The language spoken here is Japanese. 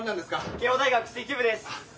慶應大学水球部です。